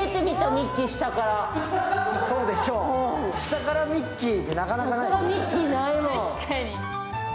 下からミッキーってなかなかないですよね。